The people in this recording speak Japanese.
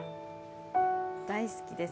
大好きです。